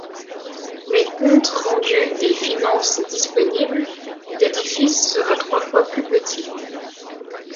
Mais compte rendu des finances disponibles, l'édifice sera trois fois plus petit.